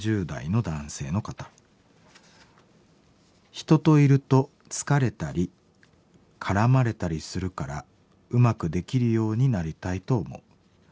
「人といると疲れたり絡まれたりするからうまくできるようになりたいと思う。